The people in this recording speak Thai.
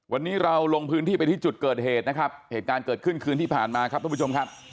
วันนี้เราลงพื้นที่ไปที่จุดเกิดเหตุนะครับเหตุการณ์เกิดขึ้นคืนที่ผ่านมาครับทุกผู้ชมครับ